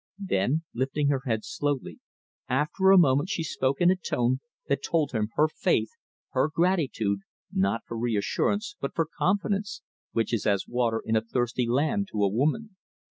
Then, lifting her head slowly, after a moment she spoke in a tone that told him her faith, her gratitude not for reassurance, but for confidence, which is as water in a thirsty land to a woman.